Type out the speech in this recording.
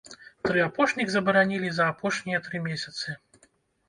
Тры апошніх забаранілі за апошнія тры месяцы.